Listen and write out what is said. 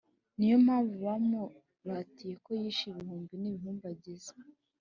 Ni yo mpamvu bamuratiye ko yishe ibihumbi n’ibihumbagiza,